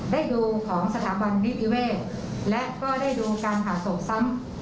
ได้ดูของสถาบันนิติเวศและก็ได้ดูการหาศพซ้ำ